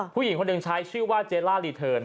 ผู้หญิงคนหนึ่งใช้ชื่อว่าเจล่ารีเทิร์น